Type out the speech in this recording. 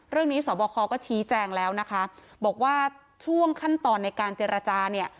สอบคอก็ชี้แจงแล้วนะคะบอกว่าช่วงขั้นตอนในการเจรจาเนี่ย